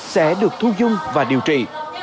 sẽ được thu dung và điều trị